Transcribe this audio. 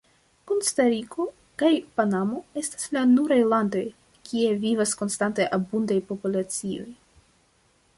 Kostariko kaj Panamo estas la nuraj landoj, kie vivas konstante abundaj populacioj.